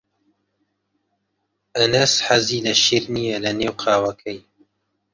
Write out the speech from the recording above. ئەنەس حەزی لە شیر نییە لەنێو قاوەکەی.